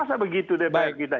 masa begitu deh pak